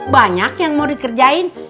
banyak yang mau dikerjain